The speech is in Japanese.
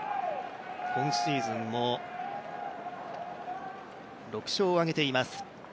今シーズンも６勝を挙げています。